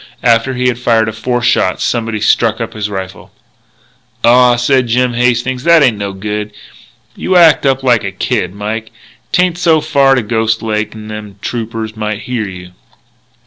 After he had fired a fourth shot, somebody struck up his rifle. "Aw," said Jim Hastings, "that ain't no good. You act up like a kid, Mike. 'Tain't so far to Ghost Lake, n'them Troopers might hear you."